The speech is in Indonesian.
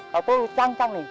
kalau tuh cangkong nih